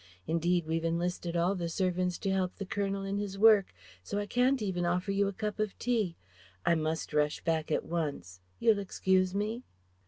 Indeed we've enlisted all the servants to help the Colonel in his work, so I can't even offer you a cup of tea.... I must rush back at once.... You'll excuse me?"